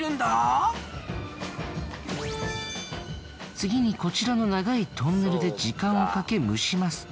次にこちらの長いトンネルで時間をかけ蒸します。